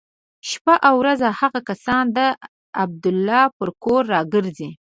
شپه او ورځ هغه کسان د عبدالله پر کور را ګرځي.